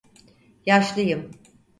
Yaşlıyım.